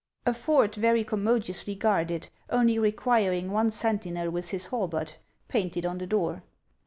A fort very commodiously guarded; only requiring one sentinel with his halbert painted on the door!